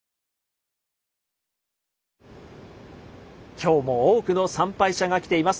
今日も多くの参拝者が来ています。